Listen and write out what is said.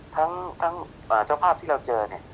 ทั้งเจ้าภาพที่เราเจอ